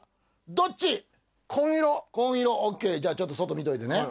紺色ＯＫじゃあちょっと外見といてね。